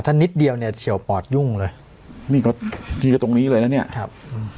ถ้านิดเดียวเนี่ยเฉียวปอดยุ่งเลยนี่ก็ทีละตรงนี้เลยนะเนี่ยครับอืม